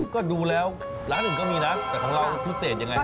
ก็ดูแล้วร้านอื่นก็มีนะแต่ของเราพิเศษยังไง